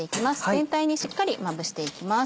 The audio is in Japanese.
全体にしっかりまぶしていきます。